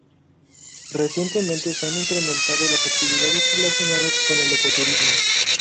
Recientemente se ha incrementado las actividades relacionadas con el ecoturismo.